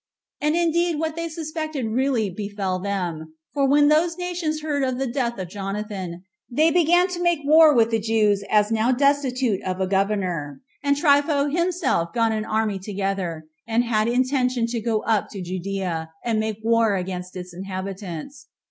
And indeed what they suspected really befell them; for when those nations heard of the death of Jonathan, they began to make war with the Jews as now destitute of a governor and Trypho himself got an army together, and had intention to go up to Judea, and make war against its inhabitants.